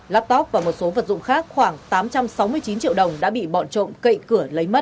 laptop và một số vật dụng khác khoảng tám trăm sáu mươi chín triệu đồng đã bị bọn trộm cậy cửa lấy mất